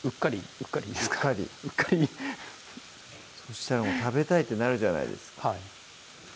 うっかりそしたらもう食べたいってなるじゃないですか